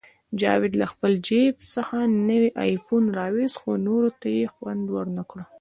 جاوید له خپل جیب څخه نوی آیفون راوویست، خو نورو ته یې خوند ورنکړ